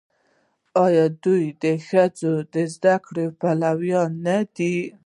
آیا دوی د ښځو د زده کړې پلویان نه دي؟